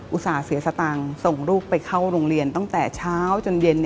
ส่าห์เสียสตางค์ส่งลูกไปเข้าโรงเรียนตั้งแต่เช้าจนเย็น